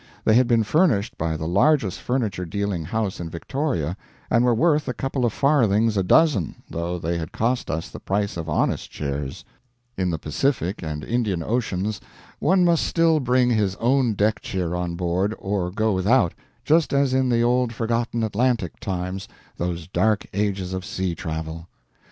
They had been furnished by the largest furniture dealing house in Victoria, and were worth a couple of farthings a dozen, though they had cost us the price of honest chairs. In the Pacific and Indian Oceans one must still bring his own deck chair on board or go without, just as in the old forgotten Atlantic times those Dark Ages of sea travel.